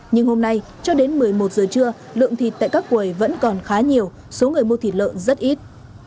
nhưng hôm nay cho đến một mươi một giờ trưa lượng thịt tại các quầy vẫn còn khá nhiều số người mua thịt lợn rất ít